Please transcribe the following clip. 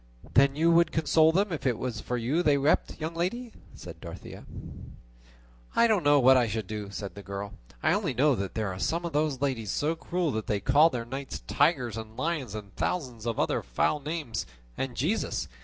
"Then you would console them if it was for you they wept, young lady?" said Dorothea. "I don't know what I should do," said the girl; "I only know that there are some of those ladies so cruel that they call their knights tigers and lions and a thousand other foul names: and Jesus!